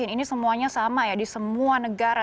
ini semuanya sama ya di semua negara